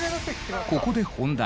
ここで本題。